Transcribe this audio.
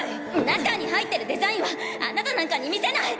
中に入ってるあなたなんかに見せない！